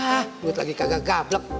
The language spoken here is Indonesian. hah ngikut lagi kagak gablek